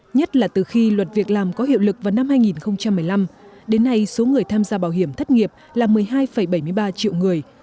nhất là từ khi luật việc làm có hiệu lực vào năm hai nghìn một mươi năm đến nay số người tham gia bảo hiểm thất nghiệp là một mươi hai bảy mươi ba triệu người